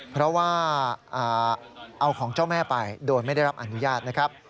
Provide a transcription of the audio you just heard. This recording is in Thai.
เพราะว่าเอาของเจ้าแม่ไปโดยไม่ได้รับอนุญาตนะครับ